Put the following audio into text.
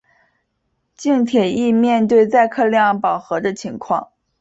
轻铁亦面对载客量饱和的情况。